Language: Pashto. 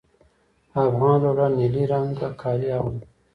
افغان لوبډله نیلي رنګه کالي اغوندي.